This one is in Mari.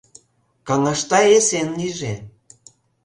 Каҥашда эсен лийже.